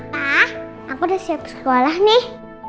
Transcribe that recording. hah aku udah siap sekolah nih